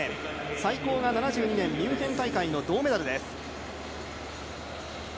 最高が７２年ミュンヘン大会の銅メダルです。